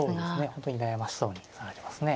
本当に悩ましそうにされてますね。